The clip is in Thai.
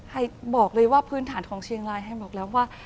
บอกเลยว่าพื้นฐานของเชียงรายไฮบอกแล้วว่า